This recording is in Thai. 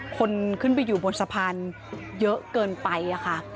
คนขึ้นไปอยู่บนสะพานเยอะเกินไปค่ะ